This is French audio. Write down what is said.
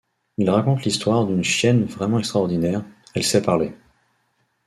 Il raconte l’histoire d’une chienne vraiment extraordinaire, elle sait parler.